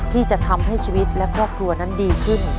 ที่จะทำให้ชีวิตและครอบครัวนั้นดีขึ้น